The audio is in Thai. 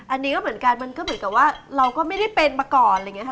อันนี้ก็เหมือนกันมันก็เหมือนกับว่าเราก็ไม่ได้เป็นมาก่อนอะไรอย่างนี้ค่ะ